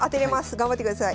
頑張ってください。